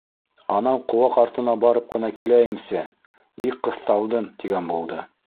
- Анау ҡыуаҡ артына барып ҡына киләйемсе, бик ҡыҫталдым, -тигән булды.